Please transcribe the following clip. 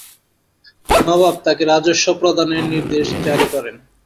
নবাব তাকে রাজস্ব প্রদানের নির্দেশ জারি করেন।